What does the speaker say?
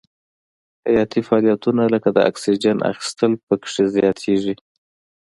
حیاتي فعالیتونه لکه د اکسیجن اخیستل پکې زیاتیږي.